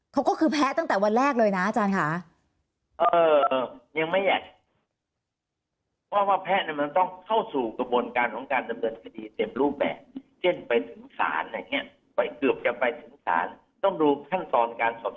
เขาก็คือแพ้ตั้งแต่วันแรกเลยนะอาจารย์ค่ะ